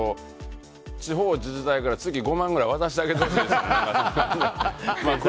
地方自治体から月５万円ぐらい渡してあげたいです。